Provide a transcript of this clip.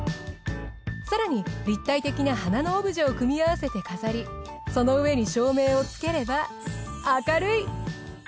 更に立体的な花のオブジェを組み合わせて飾りその上に照明をつければ明るい！